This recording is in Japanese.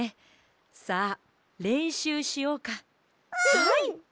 はい！